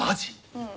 うん。